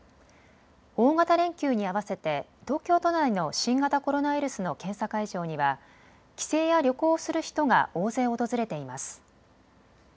大型連休に合わせて東京都内の新型コロナウイルスの検査会場には帰省や旅行をする人が大勢訪れています。